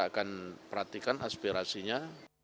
kita akan perhatikan aspirasinya